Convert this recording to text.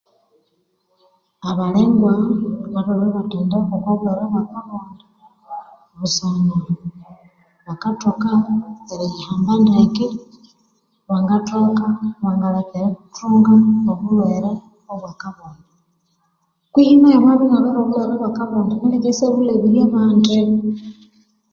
Abalengwa batholere ibathendekwa okwa bulhwere bwa kabonde busana bakathoka eriyihamba ndeke bangathoka bangaleka erithunga obulhwere obwa kabonde kwihi nayo amabya inalhwere obulhwere obwa kabonde alekendisyabulhabirya bandi